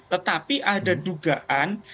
tetapi ada dugaan